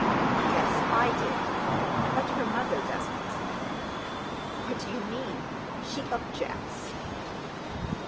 "Yes, I did—but her mother doesn't." "What do you mean? She—objects?"